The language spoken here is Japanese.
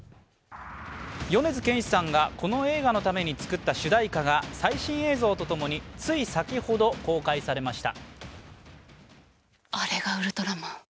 米津玄師さんがこの映画のために作った主題歌が最新映像とともについ先ほど公開されました。